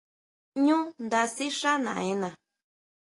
Ñu nda sixá naʼena.